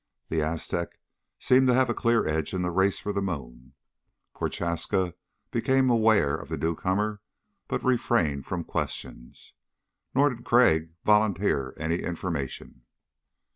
The Aztec seemed to have a clear edge in the race for the moon. Prochaska became aware of the newcomer but refrained from questions, nor did Crag volunteer any information.